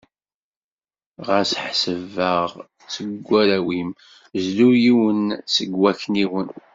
Ɣas ḥseb-aɣ seg warraw-im, zlu yiwen seg wakniwen.